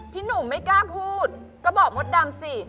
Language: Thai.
พี่หนุ่มไม่กล้าพูดก็บอกมดดำสิ